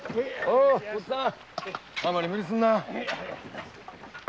あまり無理すんな。